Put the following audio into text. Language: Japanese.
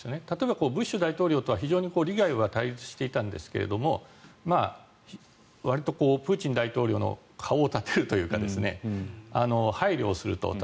例えば、ブッシュ大統領とは非常に利害は対立していたんですがわりとプーチン大統領の顔を立てるというか配慮をすると。